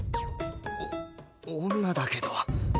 お女だけど。